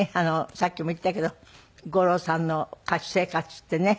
さっきも言ったけど五郎さんの歌手生活ってね。